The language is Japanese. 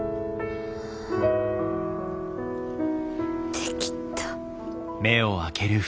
できた。